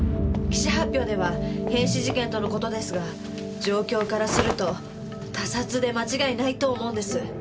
記者発表では変死事件とのことですが状況からすると他殺で間違いないと思うんです。